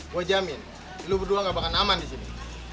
gue jamin lu berdua gak bakalan aman di sini